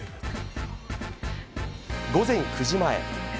午前９時前。